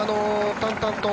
淡々と。